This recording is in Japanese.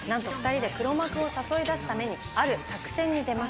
なんと２人で黒幕を誘い出すために、ある作戦に出ます。